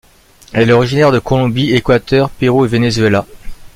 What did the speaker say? Elle est originaire de Colombie, Équateur, Pérou et Venezuela.